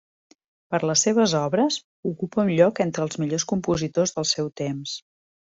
Per les seves obres, ocupa un lloc entre els millors compositors del seu temps.